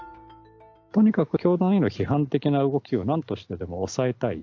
とにかく教団への批判的な動きをなんとしてでも抑えたい。